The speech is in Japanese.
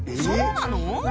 そうなの？